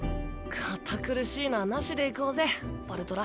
堅苦しいのはなしでいこうぜバルトラ。